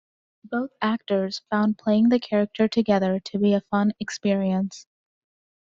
Both actors found playing the character together to be a fun experience.